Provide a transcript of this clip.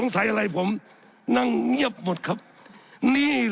สับขาหลอกกันไปสับขาหลอกกันไป